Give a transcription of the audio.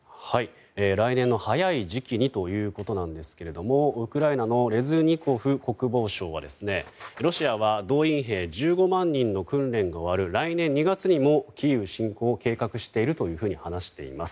来年の早い時期にということなんですがウクライナのレズニコフ国防相はロシアは動員兵１５万人の訓練が終わる来年２月にもキーウ侵攻を計画していると話しています。